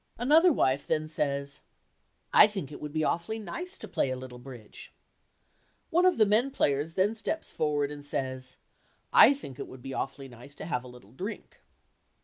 Another wife then says, "I think it would be awfully nice to play a little bridge." One of the men players then steps forward and says "I think it would be awfully nice to have a little drink."